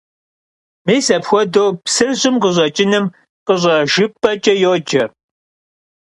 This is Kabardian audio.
Mis apxuedeu psır ş'ım khış'eç'ınım khış'ejjıp'eç'e yoce.